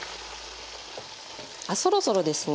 あそろそろですね。